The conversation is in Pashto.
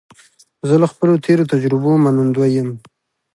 زه له خپلو تېرو تجربو منندوی یم.